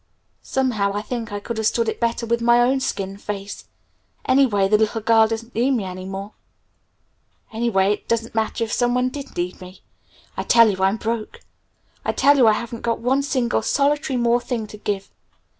Somehow I think I could have stood it better with my own skin face! Anyway the little girl doesn't need me any more. Anyway, it doesn't matter if someone did need me!... I tell you I'm 'broke'! I tell you I haven't got one single solitary more thing to give!